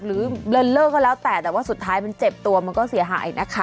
หรือเลินเลอร์ก็แล้วแต่แต่ว่าสุดท้ายมันเจ็บตัวมันก็เสียหายนะคะ